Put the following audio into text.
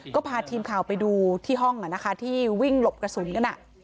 ก็พาทีมข่าวไปดูที่ห้องที่วิ่งหลบกระสุนกัน